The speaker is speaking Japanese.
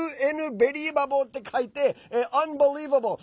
ベリーバボーって書いて「アン」ベリーバボー！